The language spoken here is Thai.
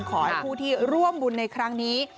ขอให้ผู้ที่ร่วมบุญในครั้งนี้